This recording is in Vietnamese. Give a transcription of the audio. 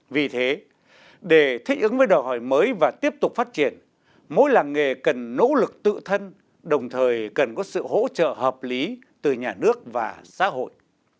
vì thế để thích ứng với đòi hỏi mới và tiếp tục phát triển mỗi làng nghề cần nỗ lực tự thân đồng thời cần có sự hỗ trợ hợp lý từ nhà nước và xã hội